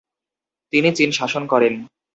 তিনি চীন শাসন করেন।